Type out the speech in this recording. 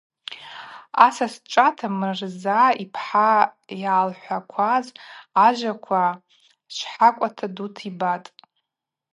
Асас дчӏвата Мырза йпхӏа йгӏалхӏвакваз ажваква швхӏакӏва дута йбатӏ.